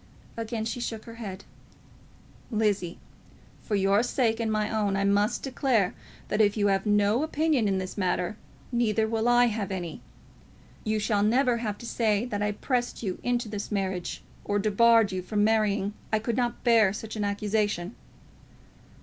Again she shook her head. "Lizzie, for your sake and my own, I must declare, that if you have no opinion in this matter, neither will I have any. You shall never have to say that I pressed you into this marriage or debarred you from marrying. I could not bear such an accusation."